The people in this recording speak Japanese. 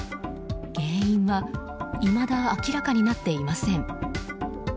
原因はいまだ明らかになっていません。